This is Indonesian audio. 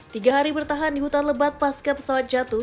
tiga hari bertahan di hutan lebat pasca pesawat jatuh